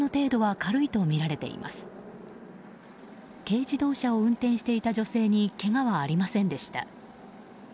軽自動車を運転していた女性にけがはありませんでした。